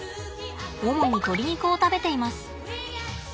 主に鶏肉を食べています。